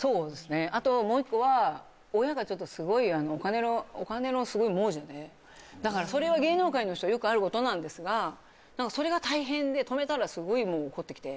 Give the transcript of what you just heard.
あと、もう一個は親がすごいお金の亡者でだから、それは芸能界の人によくあることなんですが、それが大変で止めたらすごい怒ってきて。